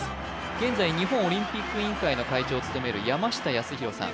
現在日本オリンピック委員会の会長を務める山下泰裕さん